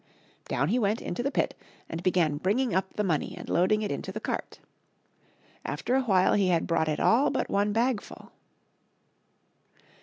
Down he went into the pit and began bringing up the money and loading it into the cart. After a while he had brought it all but one bag full.